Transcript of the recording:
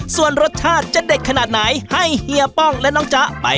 ส่วนรสชาติจะเด็ดขนาดไหนให้เฮียป้องและน้องจ๊ะไป